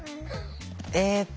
えっと